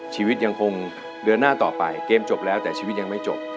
ชีวิตยังคงเดินหน้าต่อไปเกมจบแล้วแต่ชีวิตยังไม่จบ